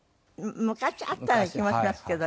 昔あったような気もしますけど。